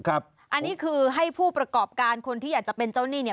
อันนี้คือให้ผู้ประกอบการคนที่อยากจะเป็นเจ้าหนี้เนี่ย